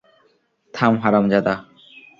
থাম, হারামজাদা!